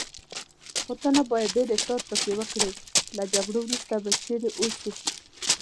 خو ته نه باید ډېر افراط پکې وکړې، له جګړې وروسته به چیرې اوسو؟